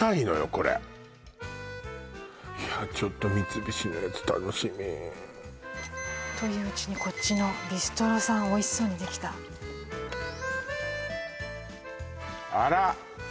これいやちょっと三菱のやつ楽しみといううちにこっちのビストロさんおいしそうにできたあら！